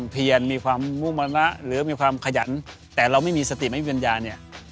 ได้มาจากครั้งนั้น